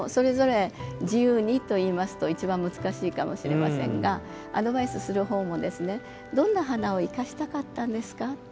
自由にと言いますと一番難しいと思いますがアドバイスする方も、どんな花を生かしたかったんですか？